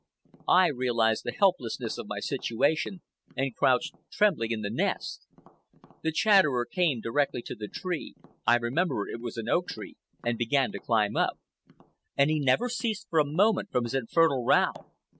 I realized the helplessness of my situation, and crouched trembling in the nest. The Chatterer came directly to the tree—I remember it was an oak tree—and began to climb up. And he never ceased for a moment from his infernal row.